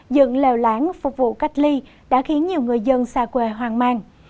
dựng lèo lãng phục vụ cách ly đã khiến nhiều người dân xa quê hoang mang